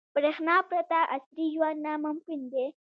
• برېښنا پرته عصري ژوند ناممکن دی.